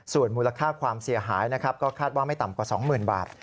ส่วนมูลค่าความเสียหายนะครับก็คาดว่าไม่ต่ำกว่า๒๐๐๐บาท